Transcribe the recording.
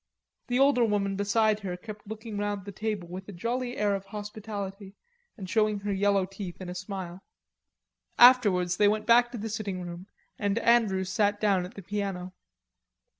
The older woman beside her kept looking round the table with a jolly air of hospitality, and showing her yellow teeth in a smile. Afterwards they went back to the sitting room and Andrews sat down at the piano.